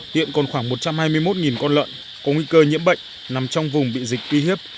hiện còn khoảng một trăm hai mươi một con lợn có nguy cơ nhiễm bệnh nằm trong vùng bị dịch uy hiếp